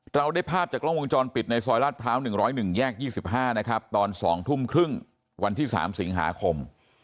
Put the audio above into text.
เราได้ภาพจากกล้องวงจรปิดในซอยลาดพร้าว๑๐๑แยก๒๕นะครับตอน๒ทุ่มครึ่งวันที่๓สิงหาคม